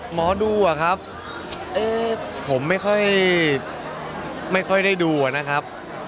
หมอดูอะครับผมไม่ค่อยได้ดูนะครับ